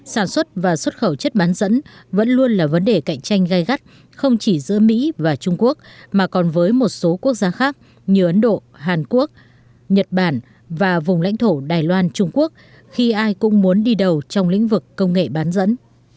sản xuất và xuất khẩu chất bán dẫn vẫn luôn là vấn đề cạnh tranh gai gắt không chỉ giữa mỹ và trung quốc mà còn với một số quốc gia khác như ấn độ hàn quốc nhật bản và vùng lãnh thổ đài loan trung quốc khi ai cũng muốn đi đầu trong lĩnh vực công nghệ bán dẫn